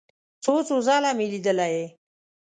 څو څو ځله مې لیدلی یې.